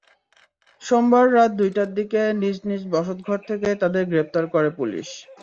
সোমবার রাত দুইটার দিকে নিজ নিজ বসতঘর থেকে তাঁদের গ্রেপ্তার করে পুলিশ।